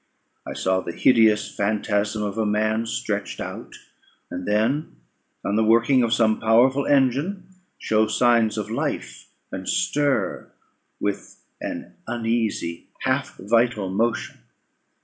I saw the hideous phantasm of a man stretched out, and then, on the working of some powerful engine, show signs of life, and stir with an uneasy, half vital motion.